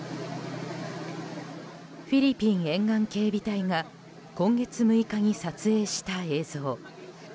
フィリピン沿岸警備隊が今月６日に撮影した映像。